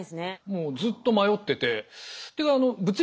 もうずっと迷ってて。